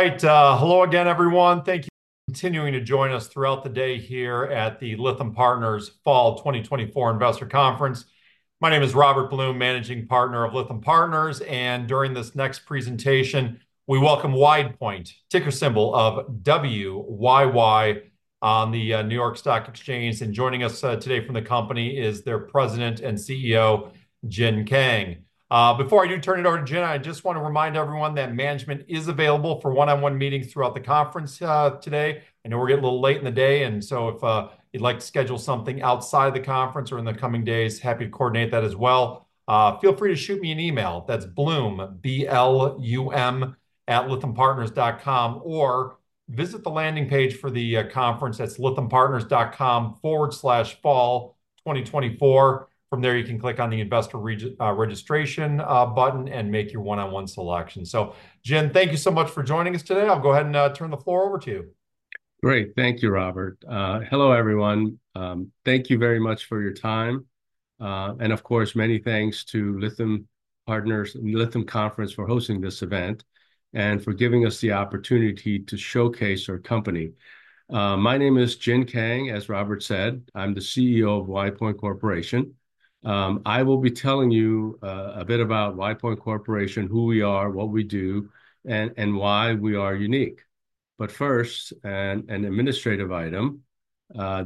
All right, hello again, everyone. Thank you for continuing to join us throughout the day here at the Lytham Partners Fall 2024 Investor Conference. My name is Robert Blum, Managing Partner of Lytham Partners, and during this next presentation, we welcome WidePoint, ticker symbol of WYY on the New York Stock Exchange. And joining us today from the company is their President and CEO, Jin Kang. Before I do turn it over to Jin, I just want to remind everyone that management is available for one-on-one meetings throughout the conference today. I know we're getting a little late in the day, and so if you'd like to schedule something outside the conference or in the coming days, happy to coordinate that as well. Feel free to shoot me an email, that's Blum, B-L-U-M, @lythampartners.com, or visit the landing page for the conference, that's lythampartners.com/fall2024. From there, you can click on the Investor Registration button and make your one-on-one selection. So Jin, thank you so much for joining us today. I'll go ahead and turn the floor over to you. Great. Thank you, Robert. Hello, everyone. Thank you very much for your time. And of course, many thanks to Lytham Partners and Lytham Conference for hosting this event, and for giving us the opportunity to showcase our company. My name is Jin Kang, as Robert said. I'm the CEO of WidePoint Corporation. I will be telling you a bit about WidePoint Corporation, who we are, what we do, and why we are unique. But first, an administrative item,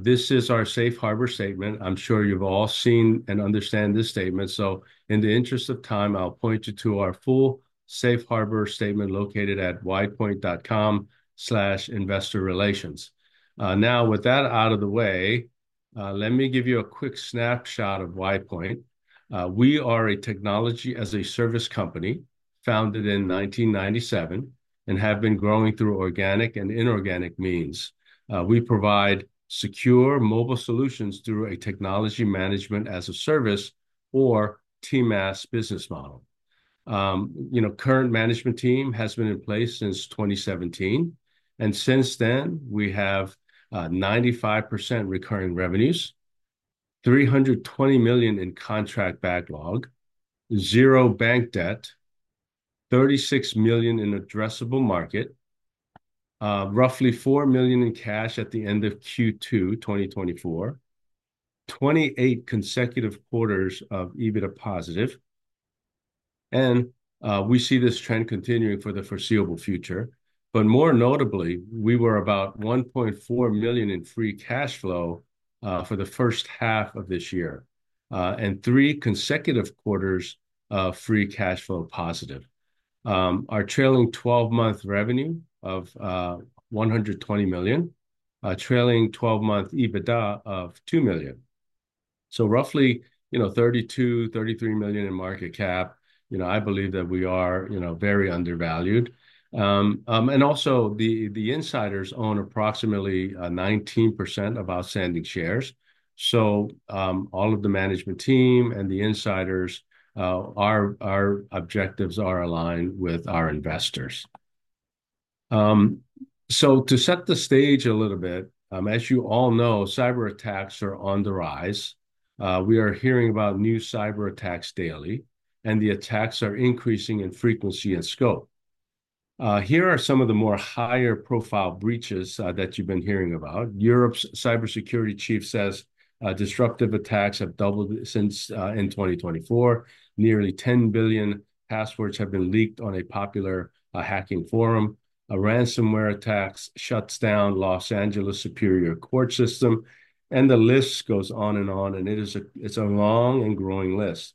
this is our Safe Harbor Statement. I'm sure you've all seen and understand this statement, so in the interest of time, I'll point you to our full Safe Harbor Statement located at widepoint.com/investor-relations. Now, with that out of the way, let me give you a quick snapshot of WidePoint. We are a Technology as a Service company, founded in 1997, and have been growing through organic and inorganic means. We provide secure mobile solutions through a Technology Management as a Service or TMaaS business model. You know, current management team has been in place since 2017, and since then, we have 95% recurring revenues, $320 million in contract backlog, zero bank debt, $36 million in addressable market, roughly $4 million in cash at the end of Q2 2024, 28 consecutive quarters of EBITDA positive, and we see this trend continuing for the foreseeable future, but more notably, we were about $1.4 million in free cash flow for the first half of this year, and three consecutive quarters of free cash flow positive. Our trailing 12-month revenue of $120 million, a trailing 12-month EBITDA of $2 million. So roughly, you know, $32 million-$33 million in market cap. You know, I believe that we are, you know, very undervalued. And also, the insiders own approximately 19% of outstanding shares. So all of the management team and the insiders, our objectives are aligned with our investors. So to set the stage a little bit, as you all know, cyberattacks are on the rise. We are hearing about new cyberattacks daily, and the attacks are increasing in frequency and scope. Here are some of the more higher-profile breaches that you've been hearing about. Europe's cybersecurity chief says, "Destructive attacks have doubled since, in 2024." Nearly 10 billion passwords have been leaked on a popular hacking forum. A ransomware attack shuts down Los Angeles Superior Court system, and the list goes on and on, and it's a long and growing list.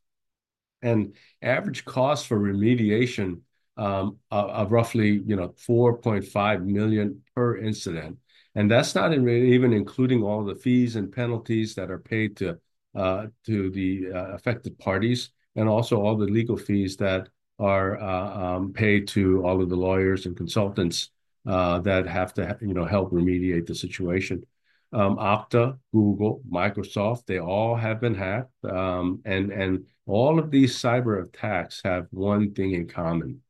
Average cost for remediation are roughly, you know, $4.5 million per incident, and that's not even including all the fees and penalties that are paid to the affected parties, and also all the legal fees that are paid to all of the lawyers and consultants that have to you know, help remediate the situation. Okta, Google, Microsoft, they all have been hacked. And all of these cyberattacks have one thing in common,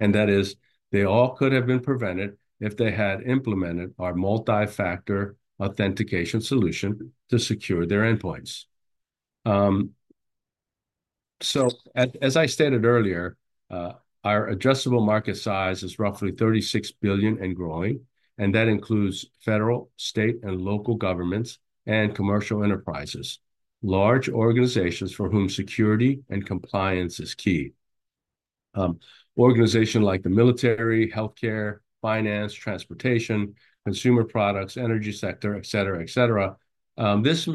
and that is, they all could have been prevented if they had implemented our multi-factor authentication solution to secure their endpoints. So, as I stated earlier, our addressable market size is roughly $36 billion and growing, and that includes federal, state, and local governments, and commercial enterprises. Large organizations for whom security and compliance is key. Organizations like the military, healthcare, finance, transportation, consumer products, energy sector, et cetera, et cetera. This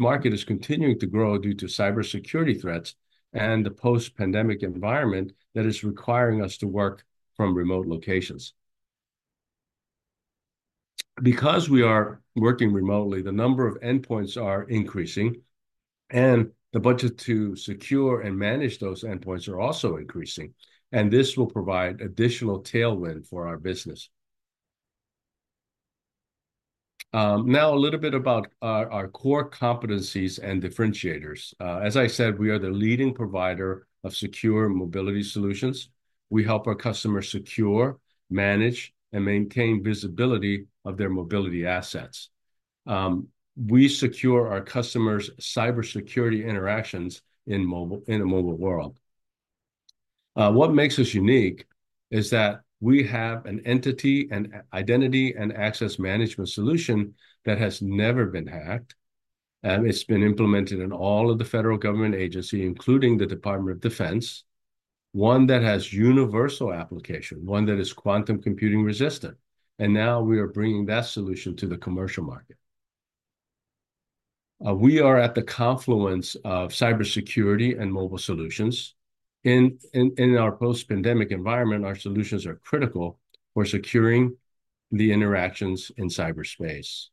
market is continuing to grow due to cybersecurity threats and the post-pandemic environment that is requiring us to work from remote locations. Because we are working remotely, the number of endpoints are increasing, and the budget to secure and manage those endpoints are also increasing, and this will provide additional tailwind for our business. Now a little bit about our core competencies and differentiators. As I said, we are the leading provider of secure mobility solutions. We help our customers secure, manage, and maintain visibility of their mobility assets. We secure our customers' cybersecurity interactions in mobile, in a mobile world. What makes us unique is that we have an entity and identity and access management solution that has never been hacked, and it's been implemented in all of the federal government agency, including the Department of Defense. One that has universal application, one that is quantum computing resistant, and now we are bringing that solution to the commercial market. We are at the confluence of cybersecurity and mobile solutions. In our post-pandemic environment, our solutions are critical for securing the interactions in cyberspace.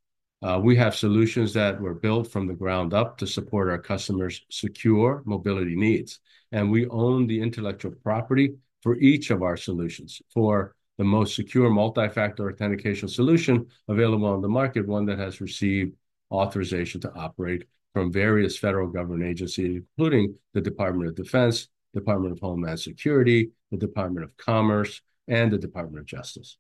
We have solutions that were built from the ground up to support our customers' secure mobility needs, and we own the intellectual property for each of our solutions. For the most secure multi-factor authentication solution available on the market, one that has received authorization to operate from various federal government agencies, including the Department of Defense, Department of Homeland Security, the Department of Commerce, and the Department of Justice.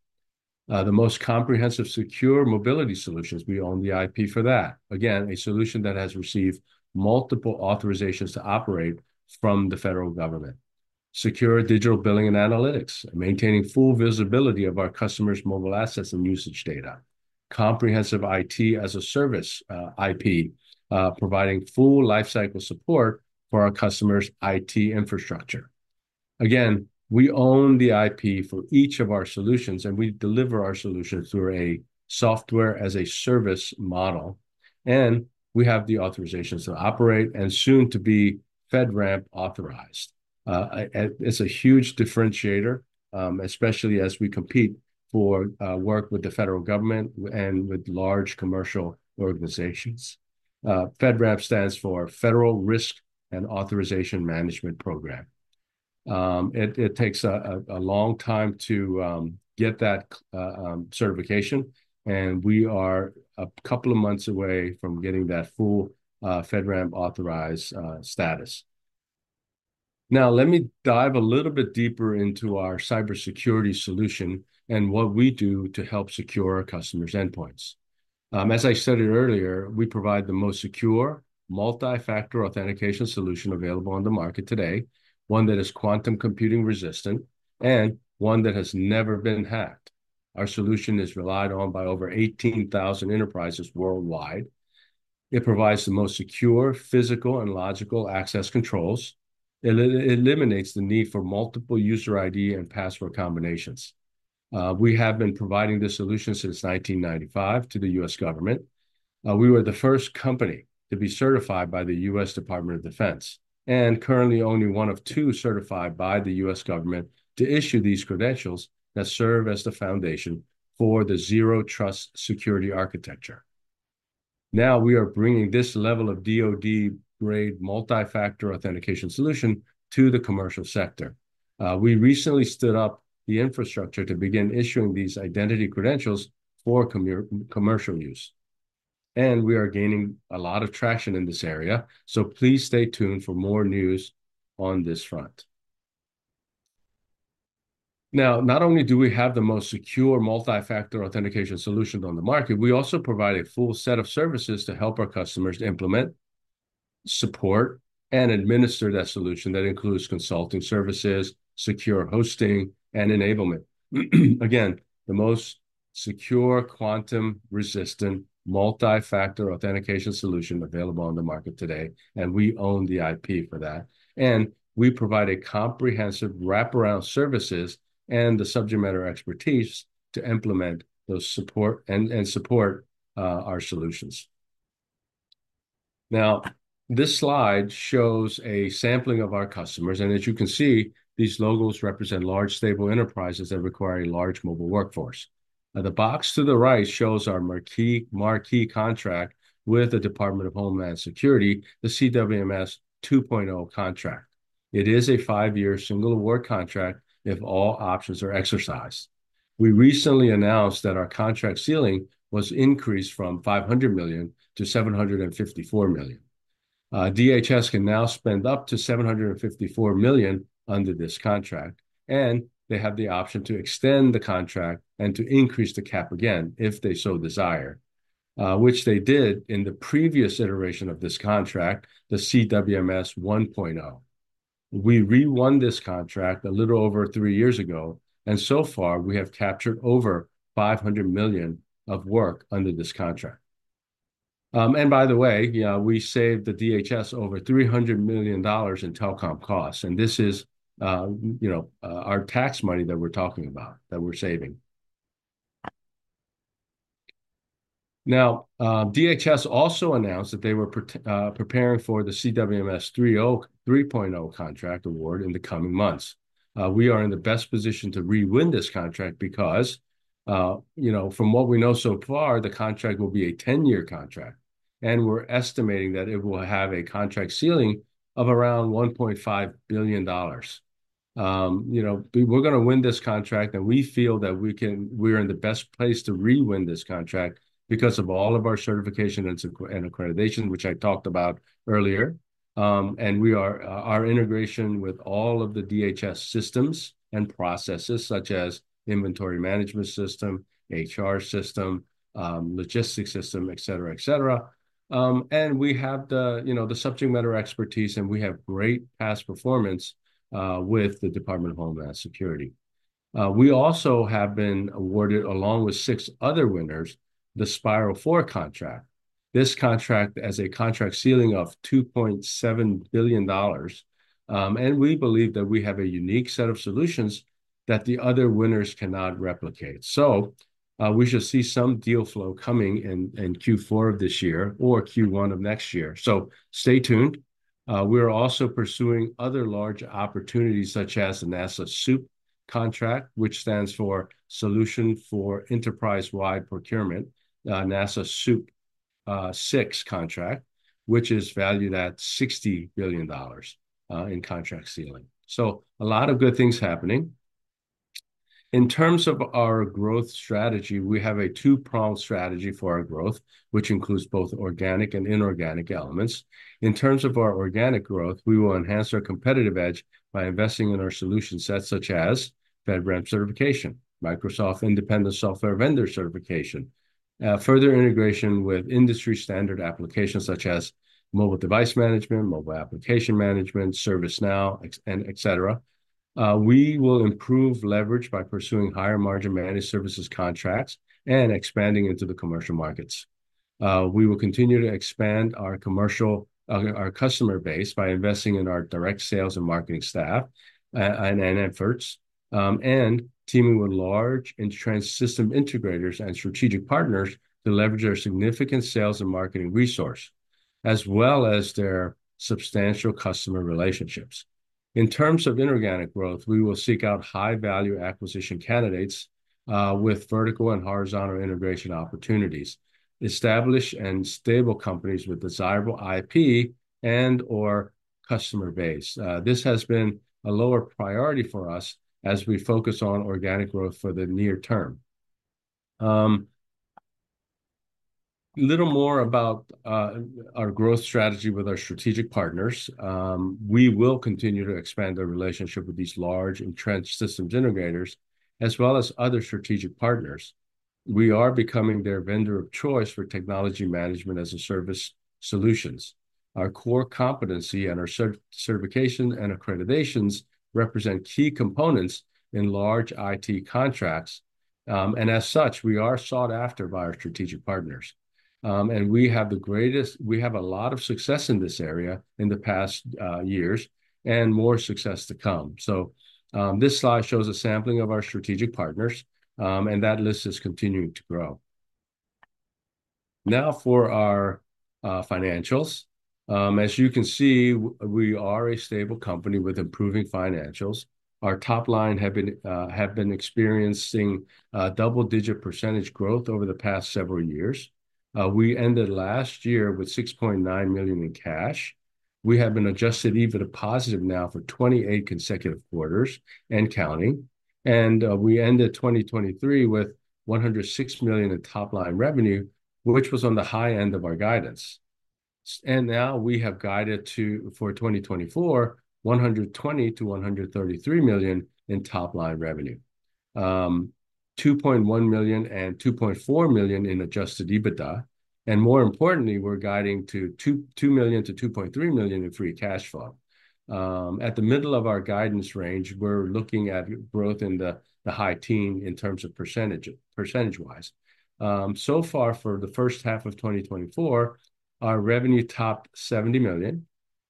The most comprehensive secure mobility solutions, we own the IP for that. Again, a solution that has received multiple authorizations to operate from the federal government. Secure digital billing and analytics, maintaining full visibility of our customers' mobile assets and usage data. Comprehensive IT as a Service, IP, providing full lifecycle support for our customers' IT infrastructure. Again, we own the IP for each of our solutions, and we deliver our solutions through a Software as a Service model, and we have the authorizations to operate and soon to be FedRAMP authorized. It's a huge differentiator, especially as we compete for work with the federal government and with large commercial organizations. FedRAMP stands for Federal Risk and Authorization Management Program. It takes a long time to get that certification, and we are a couple of months away from getting that full FedRAMP authorized status. Now, let me dive a little bit deeper into our cybersecurity solution and what we do to help secure our customers' endpoints. As I stated earlier, we provide the most secure multi-factor authentication solution available on the market today, one that is quantum computing resistant and one that has never been hacked. Our solution is relied on by over 18,000 enterprises worldwide. It provides the most secure physical and logical access controls. It eliminates the need for multiple user ID and password combinations. We have been providing this solution since 1995 to the U.S. government. We were the first company to be certified by the U.S. Department of Defense, and currently, only one of two certified by the U.S. government to issue these credentials that serve as the foundation for the Zero Trust Security Architecture. Now, we are bringing this level of DoD-grade multi-factor authentication solution to the commercial sector. We recently stood up the infrastructure to begin issuing these identity credentials for commercial use, and we are gaining a lot of traction in this area, so please stay tuned for more news on this front. Now, not only do we have the most secure multi-factor authentication solution on the market, we also provide a full set of services to help our customers implement, support, and administer that solution. That includes Consulting Services, Secure Hosting, and enablement. Again, the most secure, quantum-resistant, multi-factor authentication solution available on the market today, and we own the IP for that. And we provide a comprehensive wraparound services and the subject matter expertise to implement those support and support our solutions. Now, this slide shows a sampling of our customers, and as you can see, these logos represent large, stable enterprises that require a large mobile workforce. The box to the right shows our marquee contract with the Department of Homeland Security, the CWMS 2.0 contract. It is a five-year single award contract if all options are exercised. We recently announced that our contract ceiling was increased from $500 million-$754 million. DHS can now spend up to $754 million under this contract, and they have the option to extend the contract and to increase the cap again if they so desire, which they did in the previous iteration of this contract, the CWMS 1.0. We re-won this contract a little over three years ago, and so far, we have captured over $500 million of work under this contract. And by the way, we saved the DHS over $300 million in telecom costs, and this is, you know, our tax money that we're talking about, that we're saving. Now, DHS also announced that they were preparing for the CWMS 3.0 contract award in the coming months. We are in the best position to re-win this contract because, you know, from what we know so far, the contract will be a 10-year contract, and we're estimating that it will have a contract ceiling of around $1.5 billion. You know, we're gonna win this contract, and we feel that we're in the best place to re-win this contract because of all of our certification and security and accreditation, which I talked about earlier. Our integration with all of the DHS systems and processes, such as inventory management system, HR system, logistics system, et cetera, et cetera. We have, you know, the subject matter expertise, and we have great past performance with the Department of Homeland Security. We also have been awarded, along with six other winners, the Spiral 4 contract. This contract has a contract ceiling of $2.7 billion. We believe that we have a unique set of solutions that the other winners cannot replicate. We should see some deal flow coming in Q4 of this year or Q1 of next year. Stay tuned. We're also pursuing other large opportunities, such as the NASA SEWP contract, which stands for Solution for Enterprise-Wide Procurement, NASA SEWP VI contract, which is valued at $60 billion in contract ceiling. So a lot of good things happening. In terms of our growth strategy, we have a two-pronged strategy for our growth, which includes both organic and inorganic elements. In terms of our organic growth, we will enhance our competitive edge by investing in our solution sets, such as FedRAMP certification, Microsoft Independent Software Vendor certification, further integration with industry-standard applications, such as mobile device management, mobile application management, ServiceNow, and et cetera. We will improve leverage by pursuing higher-margin managed services contracts and expanding into the commercial markets. We will continue to expand our commercial, our customer base by investing in our direct sales and marketing staff, and efforts, and teaming with large and trusted system integrators and strategic partners to leverage our significant sales and marketing resource, as well as their substantial customer relationships. In terms of inorganic growth, we will seek out high-value acquisition candidates, with vertical and horizontal integration opportunities, established and stable companies with desirable IP and/or customer base. This has been a lower priority for us as we focus on organic growth for the near term. A little more about, our growth strategy with our strategic partners. We will continue to expand our relationship with these large entrenched systems integrators, as well as other strategic partners. We are becoming their vendor of choice for technology management as a service solutions. Our core competency and our certification and accreditations represent key components in large IT contracts, and as such, we are sought after by our strategic partners, and we have a lot of success in this area in the past years, and more success to come, so this slide shows a sampling of our strategic partners, and that list is continuing to grow. Now for our financials. As you can see, we are a stable company with improving financials. Our top line have been experiencing double-digit percentage growth over the past several years. We ended last year with $6.9 million in cash. We have an Adjusted EBITDA positive now for 28 consecutive quarters and counting, and we ended 2023 with $106 million in top-line revenue, which was on the high end of our guidance, and now we have guided to, for 2024, $120 million-$133 million in top-line revenue. $2.1 million and $2.4 million in Adjusted EBITDA, and more importantly, we're guiding to $2.2 million-$2.3 million in free cash flow. At the middle of our guidance range, we're looking at growth in the high teens in terms of percentage-wise. So far, for the first half of 2024, our revenue topped $70 million,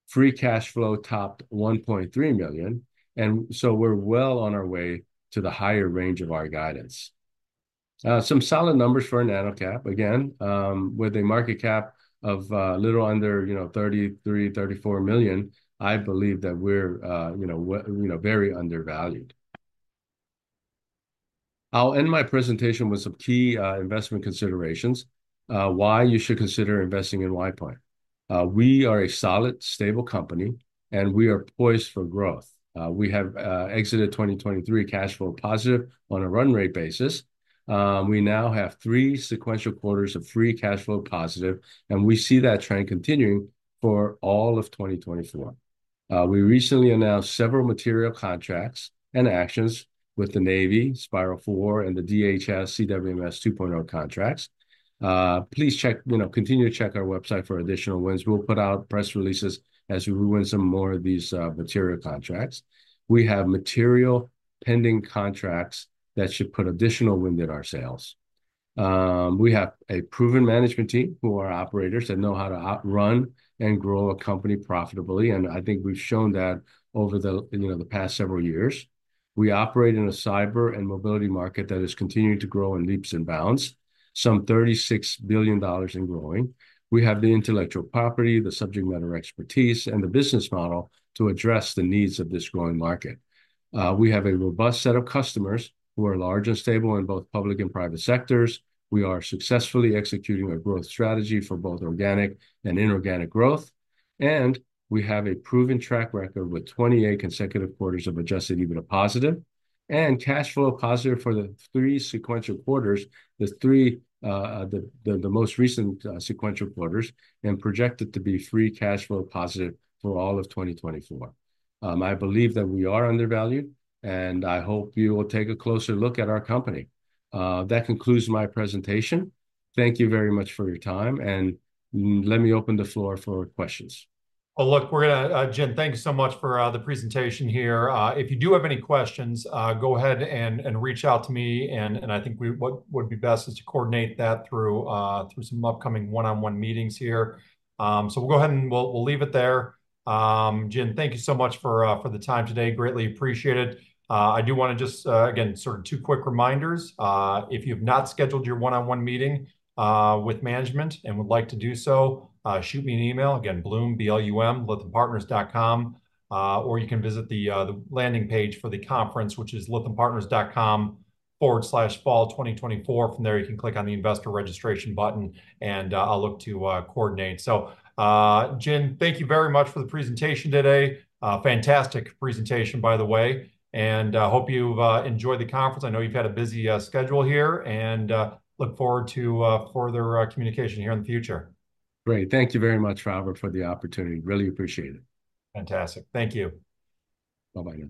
free cash flow topped $1.3 million, and so we're well on our way to the higher range of our guidance. Some solid numbers for a nano-cap. Again, with a market cap of a little under, you know, $33 million-$34 million, I believe that we're, you know, very undervalued. I'll end my presentation with some key investment considerations, why you should consider investing in WidePoint. We are a solid, stable company, and we are poised for growth. We have exited 2023 cash flow positive on a run rate basis. We now have three sequential quarters of free cash flow positive, and we see that trend continuing for all of 2024. We recently announced several material contracts and actions with the Navy, Spiral 4, and the DHS CWMS 2.0 contracts. Please check. You know, continue to check our website for additional wins. We'll put out press releases as we win some more of these material contracts. We have material pending contracts that should put additional wind in our sails. We have a proven management team who are operators, that know how to run and grow a company profitably, and I think we've shown that over the, you know, the past several years. We operate in a cyber and mobility market that is continuing to grow in leaps and bounds, some $36 billion and growing. We have the intellectual property, the subject matter expertise, and the business model to address the needs of this growing market. We have a robust set of customers who are large and stable in both public and private sectors. We are successfully executing a growth strategy for both organic and inorganic growth, and we have a proven track record, with 28 consecutive quarters of Adjusted EBITDA positive and cash flow positive for the three sequential quarters, the most recent sequential quarters, and projected to be free cash flow positive for all of 2024. I believe that we are undervalued, and I hope you will take a closer look at our company. That concludes my presentation. Thank you very much for your time, and let me open the floor for questions. Oh, look, we're gonna, Jin, thank you so much for the presentation here. If you do have any questions, go ahead and reach out to me, and I think what would be best is to coordinate that through some upcoming one-on-one meetings here. So we'll go ahead and we'll leave it there. Jin, thank you so much for the time today. Greatly appreciate it. I do wanna just again, sort of two quick reminders. If you've not scheduled your one-on-one meeting with management and would like to do so, shoot me an email. Again, Blum, B-L-U-M, @lythampartners.com, or you can visit the landing page for the conference, which is lythampartners.com/fall2024. From there, you can click on the Investor Registration button, and I'll look to coordinate. So, Jin, thank you very much for the presentation today. Fantastic presentation, by the way, and hope you've enjoyed the conference. I know you've had a busy schedule here, and look forward to further communication here in the future. Great. Thank you very much, Robert, for the opportunity. Really appreciate it. Fantastic. Thank you. Bye-bye now.